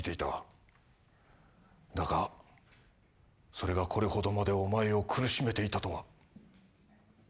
だがそれがこれほどまでお前を苦しめていたとは。